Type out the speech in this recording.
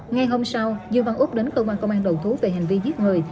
ngay hôm sau dương văn úc đến công an công an đầu thú về hành vi giết người